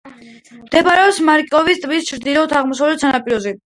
მდებარეობს მარაკაიბოს ტბის ჩრდილო-აღმოსავლეთ სანაპიროზე.